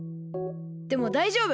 でもだいじょうぶ！